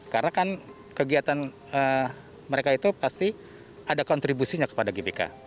karena kan kegiatan mereka itu pasti ada kontribusinya kepada gbk